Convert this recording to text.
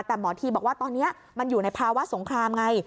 แต่หมอทีบอกว่าตอนนี้มันอยู่ในภาวะสงครามไง